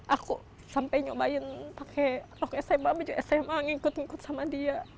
aku sampai nyobain pakai rok sma sma ngikut ngikut sama dia